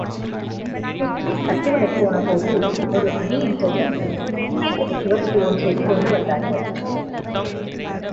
ஸ்விட்சை, தட்டிவிடப்போனபோது, ஒரு அணியின் தொண்டர்க்ள் தேர்தல் சுவரொட்டி ஒன்றைக் கொண்டு வந்தார்கள்.